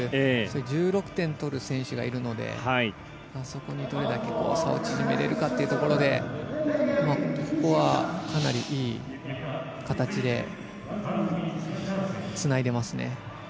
１６点取る選手がいるのでそこにどれだけ差を縮めれるかというところでここは、かなりいい形でつないでますね。